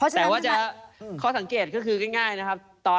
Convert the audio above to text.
แต่ว่าจะข้อสังเกตก็คือง่ายนะครับ